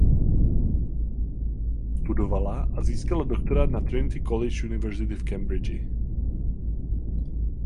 Studovala a získala doktorát na Trinity College Univerzity v Cambridgi.